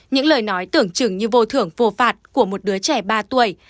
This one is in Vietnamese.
những lời nói tưởng chừng như vô thưởng phồ phạt của một đứa trẻ ba tuổi